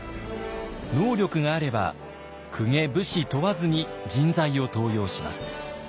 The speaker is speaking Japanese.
能力があれば公家武士問わずに人材を登用します。